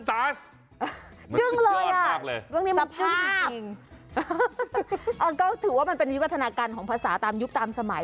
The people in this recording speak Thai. เฮ้ยมันตั๊สจึงเลยอ่ะสภาพก็ถือว่ามันเป็นวิวัฒนาการของภาษาตามยุคตามสมัย